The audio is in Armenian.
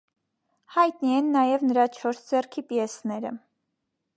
Հայտնի են նաև նրա չորս ձեռքի պիեսները։